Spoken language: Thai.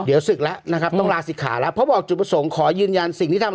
เดี๋ยวศึกแล้วนะครับต้องลาศิกขาแล้วเพราะบอกจุดประสงค์ขอยืนยันสิ่งที่ทำ